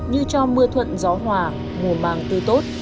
như cho mưa thuận gió hòa mùa màng tươi tốt